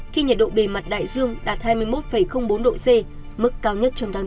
khi nhiệt độ bề mặt đại dương đạt hai mươi một bốn độ c mức cao nhất trong tháng bốn